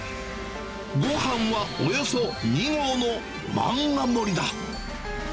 ごはんはおよそ２合のマンガ盛りだ。